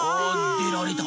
でられた！